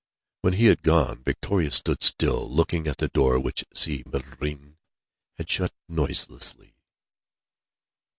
When he had gone, Victoria stood still, looking at the door which Si Maïeddine had shut noiselessly.